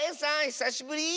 ひさしぶり！